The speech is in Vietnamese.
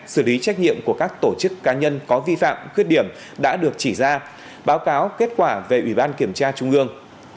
xử lý trách nhiệm của các tổ chức cá nhân có vi phạm khuyết điểm đã được chỉ ra báo cáo kết quả về ủy ban kiểm tra trung ương